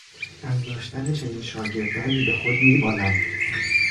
از داشتن چنین شاگردانی به خود میبالم.